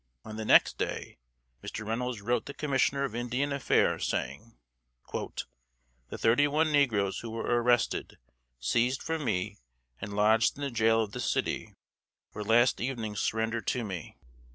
On the next day, Mr. Reynolds wrote the Commissioner of Indian Affairs, saying, "The thirty one negroes who were arrested, seized from me and lodged in the jail of this city, were last evening surrendered to me.